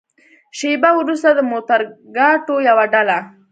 شېبه وروسته د موترګاټو يوه ډله.